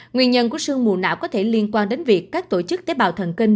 nguyên nhân của sương mù não có thể liên quan đến việc các tổ chức tế bào thần kinh